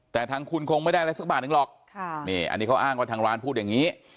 แต่ทางคุณคงไม่ได้อะไรสักบาทหนึ่งหรอกอันนี้เขาอ้างว่าทางร้านพูดอย่างนี้